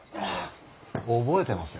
覚えてますよ。